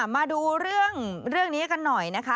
มาดูเรื่องนี้กันหน่อยนะคะ